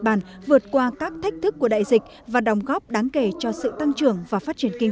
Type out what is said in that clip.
bàn vượt qua các thách thức của đại dịch và đóng góp đáng kể cho sự tăng trưởng và phát triển kinh